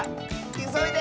いそいで！